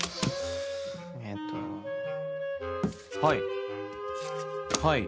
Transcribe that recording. えっとはいはい。